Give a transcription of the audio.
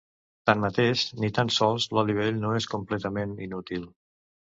Tanmateix, ni tan sols l'oli vell no és completament inútil.